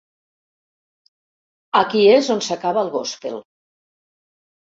Aquí és on s'acaba el gospel.